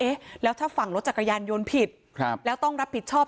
เอ๊ะแล้วถ้าฝั่งรถจักรยานยนต์ผิดครับแล้วต้องรับผิดชอบ